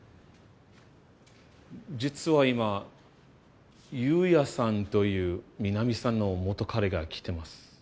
実は今悠也さんというみなみさんの元彼が来てます。